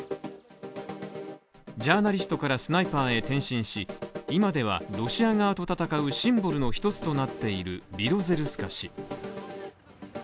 ジャーナリストからスナイパーへ転身し今ではロシア側と戦うシンボルの一つとなっているビロゼルスカ氏。